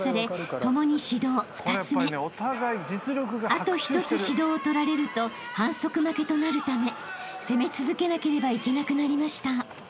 ［あと１つ指導を取られると反則負けとなるため攻め続けなければいけなくなりました］